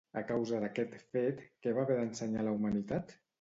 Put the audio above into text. A causa d'aquest fet, què va haver d'ensenyar a la humanitat?